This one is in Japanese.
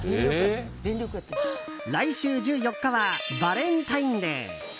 来週１４日はバレンタインデー。